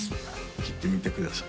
聴いてみてください